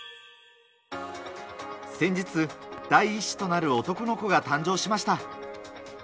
先日、第１子となる男の子が誕生しました。